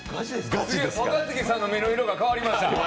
若槻さんの目の色が変わりました。